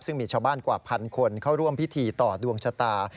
ซึ่งมีชาวบ้านกว่าพันคนเข้าร่วมพิธีต่อดวงชะตา